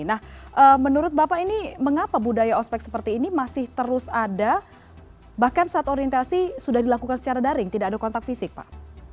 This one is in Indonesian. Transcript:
nah menurut bapak ini mengapa budaya ospek seperti ini masih terus ada bahkan saat orientasi sudah dilakukan secara daring tidak ada kontak fisik pak